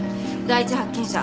第一発見者